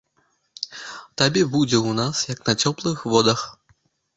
Табе будзе ў нас, як на цёплых водах!